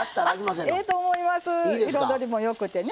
彩りもよくてね